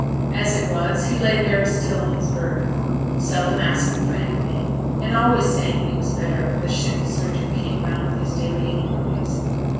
As it was, he lay very still in his berth, seldom asking for anything, and always saying he was better, when the ship surgeon came round with his daily inquiries.